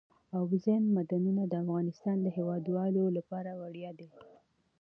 اوبزین معدنونه د افغانستان د هیوادوالو لپاره ویاړ دی.